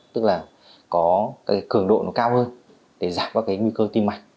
tức là có cái cường độ nó cao hơn để giảm các cái nguy cơ tim mạch